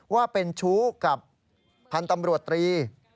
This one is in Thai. ว่าเป็นชู้กับพันธ์ตำรวจตรี